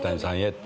って。